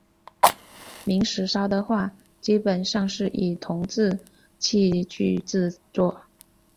明石烧的话基本上是以铜制器具制作。